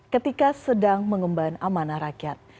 ketika sedang mengemban amanah rakyat